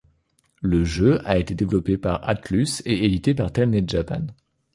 Le jeu a été développé par Atlus et édité par Telenet Japan.